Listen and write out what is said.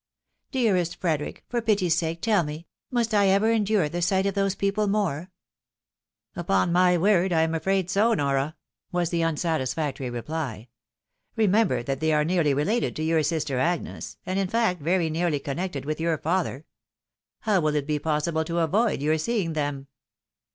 Dearest Frederic ! for pity's sake, tell me, must I ever endure the sight of those people more ?"" Upon my word, I am afraid so, Nora," was the unsatis factory reply. " Remember that they are nearly related to your sister Agnes, and in fact very nearly connected with your father. How will it be possible to avoid your seeing them